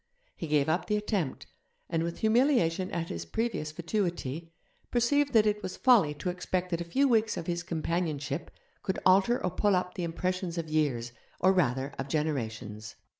He gave up the attempt, and, with humiliation at his previous fatuity, perceived that it was folly to expect that a few weeks of his companionship could alter or pull up the impressions of years, or rather of generations.